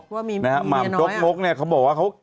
หม่ำโด๊กโม๊กเขาบอกว่าเขา